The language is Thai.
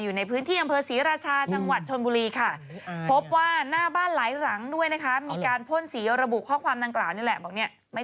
อยู่ในพื้นที่อำเภอศรีราชาจังหวัดถนบุรีค่ะ